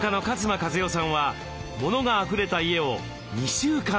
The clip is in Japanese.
和代さんはモノがあふれた家を。